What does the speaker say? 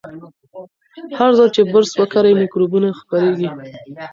هر ځل چې برس وکاروئ، میکروبونه خپریږي.